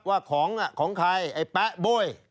ว่าของของใครไอ้แป๊ะโบ้ย